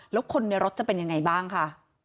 แล้วคนในรถจะเป็นยังไงบ้างคะ